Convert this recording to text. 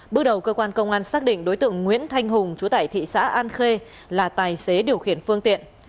bước đầu cơ quan công an xác định đối tượng nguyễn thanh hùng chú tại thị xã an khê là tài xế điều khiển phương tiện